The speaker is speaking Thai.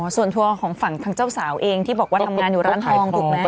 ส่วนตัวของฝั่งทางเจ้าสาวเองที่บอกว่าทำงานอยู่ร้านทองถูกไหม